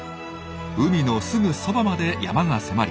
海のすぐそばまで山が迫り